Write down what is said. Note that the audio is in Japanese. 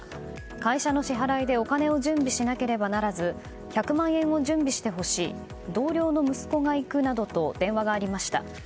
会社の支払いでお金を準備しなければならず１００万円を準備してほしい同僚の息子が行くなどと電話がありました。